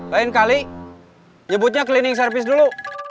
lain kali nyebutnya cleaning service dulu